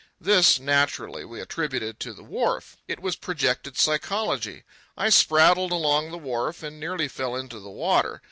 This, naturally, we attributed to the wharf. It was projected psychology. I spraddled along the wharf and nearly fell into the water.